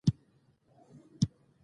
هلکانو له نورګل کاکا څخه پوښتنه وکړه؟